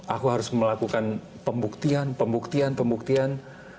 aku harus melakukan pembuktian pembuktian pembuktian